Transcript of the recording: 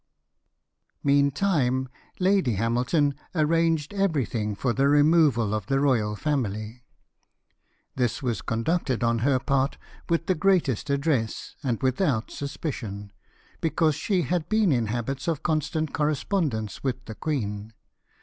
Meantime Lady Hamilton arranged everything for the removal of the royal family. This was conducted, on her part, with the greatest address, and without suspicion, because she had been in habits of constant correspondence with the queen.